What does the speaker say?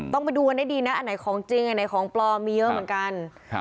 ต้องไปดูกันให้ดีนะอันไหนของจริงอันไหนของปลอมมีเยอะเหมือนกัน